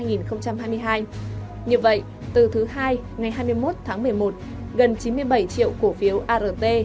như vậy từ thứ hai ngày hai mươi một tháng một mươi một gần chín mươi bảy triệu cổ phiếu art